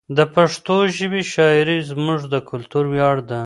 د پښتو ژبې شاعري زموږ د کلتور ویاړ ده.